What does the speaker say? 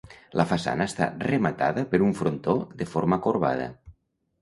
La façana està rematada per un frontó de forma corbada.